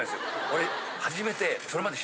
俺初めて。